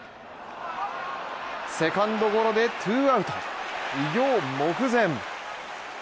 セカンドゴロでツーアウト偉業目前。